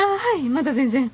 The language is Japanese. まだ全然。